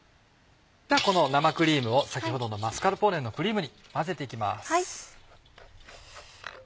ではこの生クリームを先ほどのマスカルポーネのクリームに混ぜて行きます。